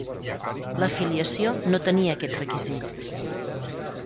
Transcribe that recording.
L'afiliació no tenia aquest requisit.